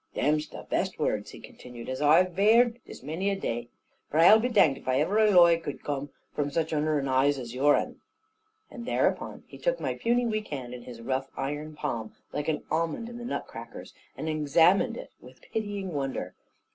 "Them's the best words," he continued "as ai 've 'eered this many a dai; for ai'll be danged if ever a loi could coom from unner such eyes as yourn." And thereupon he took my puny weak hand in his rough iron palm, like an almond in the nut crackers, and examined it with pitying wonder.